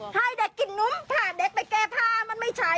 ให้เด็กกินนมพาเด็กไปแก้ผ้ามันไม่ใช่